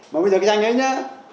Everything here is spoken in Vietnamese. mà bây giờ cái tranh ấy nhá